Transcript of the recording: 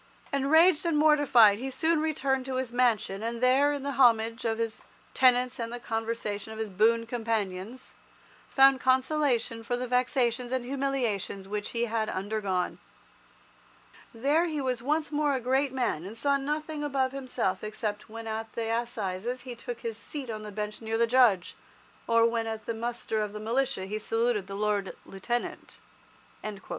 Enraged and mortified, he soon returned to his mansion, and there, in the homage of his tenants and the conversation of his boon companions, found consolation for the vexations and humiliations which he had undergone. There he was once more a great man, and saw nothing above himself except when at the assizes he took his seat on the bench near the Judge, or when at the muster of the militia he saluted the Lord Lieutenant."